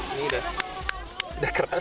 ini udah keras